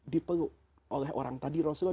dipeluk oleh orang tadi rasulullah